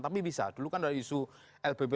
tapi bisa dulu kan ada isu lbp